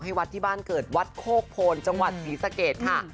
วัดที่บ้านเกิดวัดโคกโพนจังหวัดศรีสะเกดค่ะ